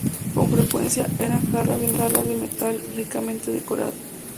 Con frecuencia, eran jarras de metal ricamente decoradas.